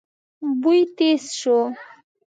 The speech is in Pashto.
بوی تېز شو.